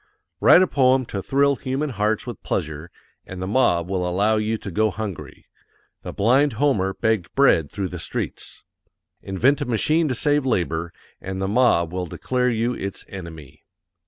Write a poem to thrill human hearts with pleasure, AND THE MOB WILL ALLOW YOU TO GO HUNGRY: THE BLIND HOMER BEGGED BREAD THROUGH THE STREETS. Invent a machine to save labor AND THE MOB WILL DECLARE YOU ITS ENEMY.